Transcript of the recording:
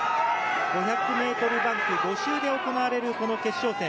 ５００ｍバンク５周で行われる、この決勝戦。